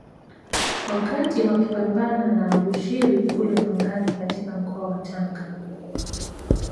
Wakati wakipambana na Abushiri kule Pangani katika mkoa wa Tanga